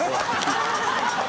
）ハハハ